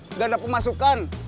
nggak ada pemasukan